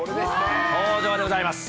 登場でございます。